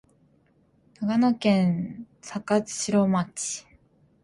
長野県坂城町